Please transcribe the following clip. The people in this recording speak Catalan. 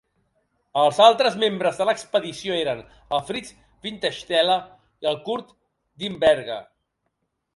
Els altres membres de l'expedició eren: el Fritz Wintersteller i el Kurt Diemberger.